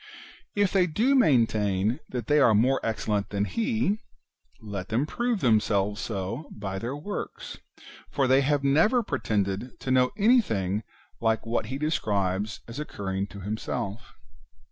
If they do main tain that they are more excellent than he, let them prove themselves so by their works, for they have never pretended to anything like [what he describes as occurring to himself].